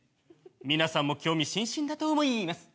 皆さんも興味津々だと思います。